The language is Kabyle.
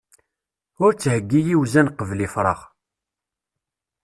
Ur ttheggi iwzan, qbel ifrax.